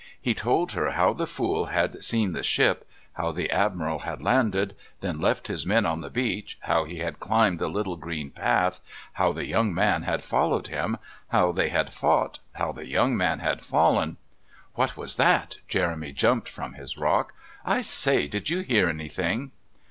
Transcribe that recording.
He told her how the Fool had seen the ship, how the Admiral had landed, then left his men on the beach, how he had climbed the little green path, how the young man had followed him, how they had fought, how the young man had fallen. What was that? Jeremy jumped from his rock. "I say, did you hear anything?"